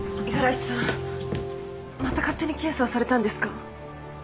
五十嵐さんまた勝手に検査をされたんですか？